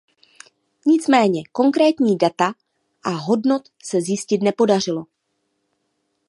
Nicméně konkrétní data a hodnot se zjistit nepodařilo.